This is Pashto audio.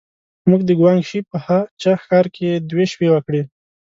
موږ د ګوانګ شي په هه چه ښار کې دوې شپې وکړې.